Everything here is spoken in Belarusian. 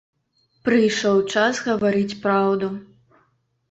Прыйшоў час гаварыць праўду.